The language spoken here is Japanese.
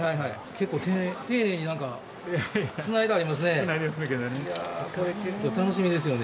結構、丁寧につないでありますね。